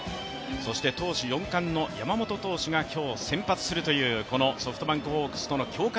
そして投手４冠の山本投手が今日先発するというソフトバンクホークスとの強化